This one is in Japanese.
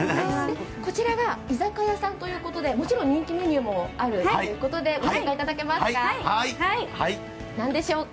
こちらは居酒屋さんということでもちろん人気メニューもあるということでご紹介いただけますか。